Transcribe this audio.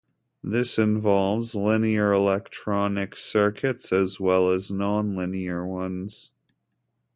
This involves linear electronic circuits as well as non-linear ones.